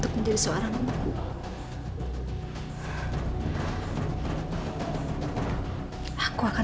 tunggu sebentar ya